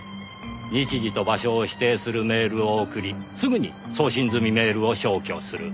日時と場所を指定するメールを送りすぐに送信済みメールを消去する。